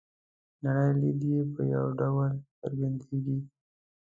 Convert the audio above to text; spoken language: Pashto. نړۍ لید یې په یوه ډول څرګندیږي.